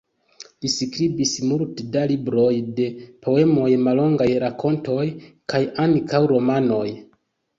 Li skribis multe da libroj de poemoj, mallongaj rakontoj, kaj ankaŭ romanoj.